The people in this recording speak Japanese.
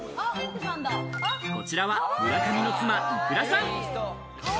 こちらは村上の妻・いくらさん。